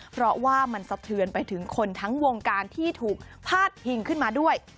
เพราะว่ามันสะเทือนไปถึงคนทั้งวงการที่ถูกพาดพิงขึ้นมาด้วย